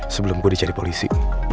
sebelum gue dicari polisi